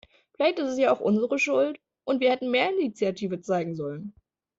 Vielleicht ist es ja auch unsere Schuld und wir hätten mehr Initiative zeigen sollen.